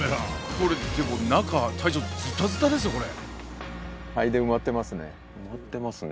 これでも中隊長ズタズタですよこれ。